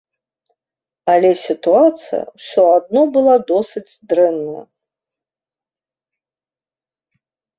Але сітуацыя ўсё адно была досыць дрэнная.